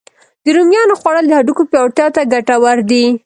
د رومیانو خوړل د هډوکو پیاوړتیا ته ګتور دی